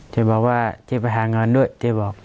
จะบอกว่าเจ๊ไปหาเงินด้วยเจ๊บอก